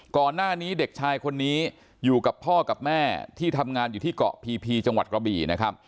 ก่อนหน้านี้เด็กชายคนนี้อยู่กับพ่อกับแม่ที่ทำงานอยู่ที่เกาะพีพีจังหวัดกระบี่นะครับ